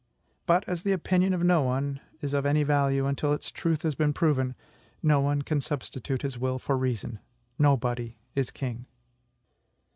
But, as the opinion of no one is of any value until its truth has been proven, no one can substitute his will for reason, nobody is king.